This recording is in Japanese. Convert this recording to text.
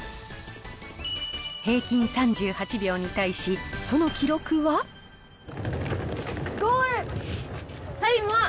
平均３８秒に対し、その記録ゴール。